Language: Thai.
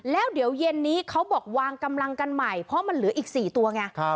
แล้วเดี๋ยวเย็นนี้เขาบอกวางกำลังกันใหม่เพราะมันเหลืออีก๔ตัวไง